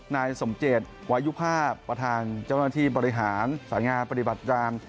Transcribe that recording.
นายสมเจตวายุภาพประธานเจ้าหน้าที่บริหารสายงานปฏิบัติการ